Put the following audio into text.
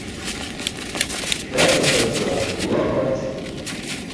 Darc aparca? Buwa aprc?